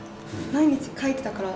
毎日書いてたから。